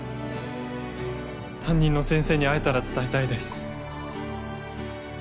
担任の先生に会えたら伝えたいです。